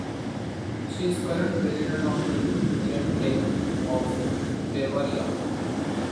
She is current president of the Landtag of Bavaria.